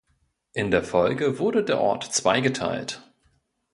In der Folge wurde der Ort zweigeteilt.